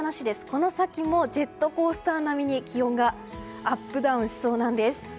この先もジェットコースター並に気温がアップダウンしそうなんです。